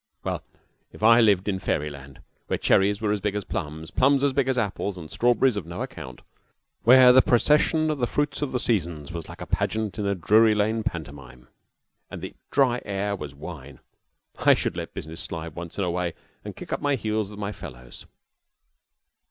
Well, if I lived in fairy land, where cherries were as big as plums, plums as big as apples, and strawberries of no account, where the procession of the fruits of the seasons was like a pageant in a Drury Lane pantomime and the dry air was wine, I should let business slide once in a way and kick up my heels with my fellows.